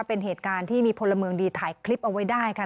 เป็นเหตุการณ์ที่มีพลเมืองดีถ่ายคลิปเอาไว้ได้ค่ะ